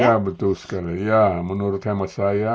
ya betul sekali ya menurut hemat saya